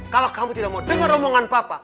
kalau kamu tidak mau dengar omongan papa